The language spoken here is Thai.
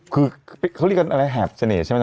คือเขาเรียกกันอะไรแหบเสน่ห์ใช่ไหมล่ะ